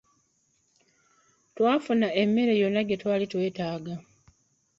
Twafuna emmere yonna gye twali twetaaga.